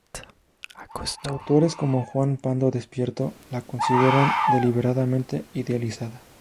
Autores como Juan Pando Despierto la consideran deliberadamente idealizada.